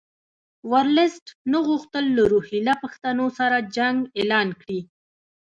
ورلسټ نه غوښتل له روهیله پښتنو سره جنګ اعلان کړي.